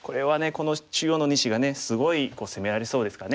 この中央の２子がねすごい攻められそうですかね。